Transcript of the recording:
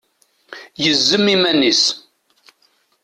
Yezzem iman-is.